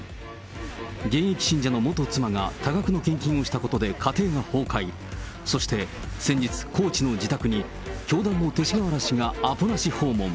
現役信者の元妻が多額の献金をしたことで家庭が崩壊、そして先日、高知の自宅に教団の勅使河原氏がアポなし訪問。